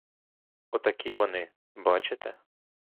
Отакі вони — бачите?